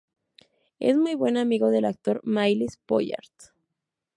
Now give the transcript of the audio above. Es muy buen amigo del actor Myles Pollard.